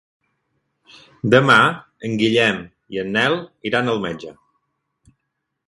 Demà en Guillem i en Nel iran al metge.